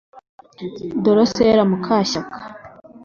Drocelle Mukashyaka